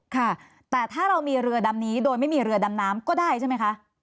ค่ะแต่ถ้าเรามีเรือดำนี้โดยไม่มีเรือดำน้ำก็ได้ใช่ไหมคะ